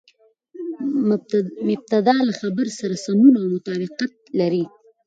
مبتداء له خبر سره سمون او مطابقت لري.